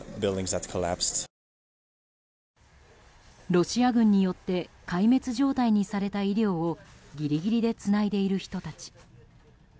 ロシア軍によって壊滅状態にされた医療をギリギリでつないでいる人たち。